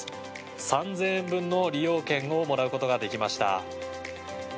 ３０００円分の利用券をもらうことができました。